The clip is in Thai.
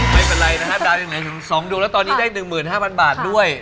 ไม่เป็นไรนะฮะดาวอย่างไหนสองดูแล้วตอนนี้ได้๑๕๐๐๐บาทด้วย